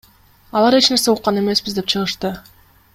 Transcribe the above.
Алар эч нерсе уккан эмеспиз деп чыгышты.